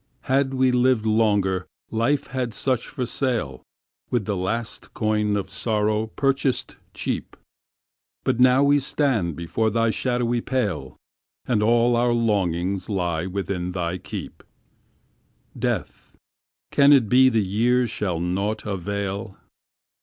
Had we lived longer, life had such for sale, With the last coin of sorrow purchased cheap, But now we stand before thy shadowy pale, And all our longings lie within thy keep—Death, can it be the years shall naught avail?